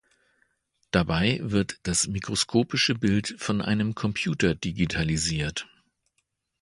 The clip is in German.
Dabei wird das mikroskopische Bild von einem Computer digitalisiert.